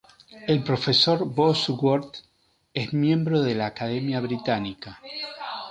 El profesor Bosworth es miembro de la Academia Británica.